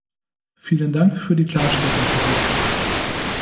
Vielen Dank für die Klarstellung, Herr Wurtz.